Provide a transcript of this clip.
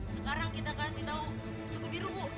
sekarang kita kasih tahu suku biru bu